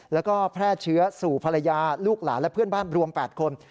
แล้วก็แพร่เชื้อสู่ภรรยาลูกหลานและเพื่อนบ้านรวม๘คน